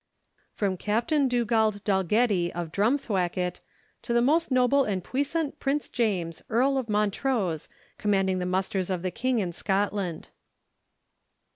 From Captain Dugald Dalgetty, of Drumthwacket, to the Most Noble and Puissant Prince James, Earl of Montrose, commanding the musters of the King in Scotland.